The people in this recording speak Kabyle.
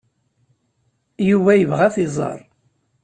Yuba yebɣa ad t-iẓer.